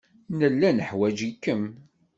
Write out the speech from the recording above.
Nella neḥwaj-ikem.